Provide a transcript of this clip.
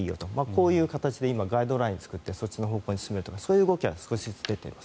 こういう形で今、ガイドラインを作ってそっちの方向に進めているそういう動きは少しずつ出ています。